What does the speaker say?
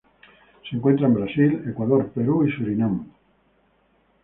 Se encuentra en Brasil, Ecuador, Perú y Surinam.